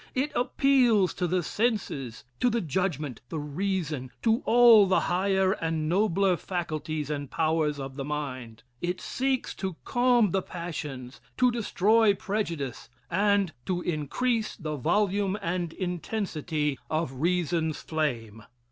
It appeals to the senses to the judgment, the reason, to all the higher and nobler faculties and powers of the mind. It seeks to calm the passions, to destroy prejudice and to increase the volume and intensity of reason's flame.